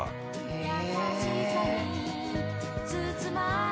「へえ」